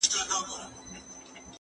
ليکلي پاڼي ترتيب کړه!.